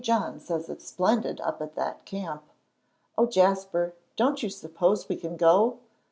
John says its splendid up at that camp. Oh, Jasper, don't you suppose we can go?"